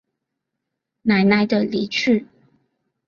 奶奶的离去